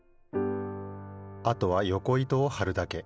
あとはよこ糸をはるだけ。